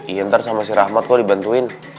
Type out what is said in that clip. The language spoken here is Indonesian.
iya ntar sama si rahmat kok dibantuin